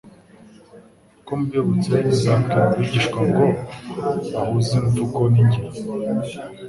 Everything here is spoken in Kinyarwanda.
Uko mbibutse nzabwira abigisha ngo bahuze imvugo n'ingiro